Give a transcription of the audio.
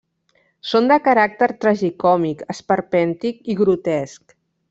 Són de caràcter tragicòmic, esperpèntic i grotesc.